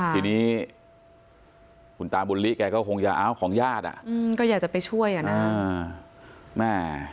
ทีนี้คุณตาบุญลิแกก็คงจะเอาของญาติอ่ะก็อยากจะไปช่วยอ่ะนะแม่